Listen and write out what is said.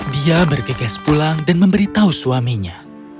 dia bergegas pulang dan memberitahu suaminya